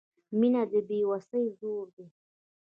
• مینه د بې وسۍ زور دی.